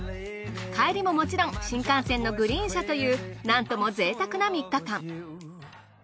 帰りももちろん新幹線のグリーン車というなんとも贅沢な３日間。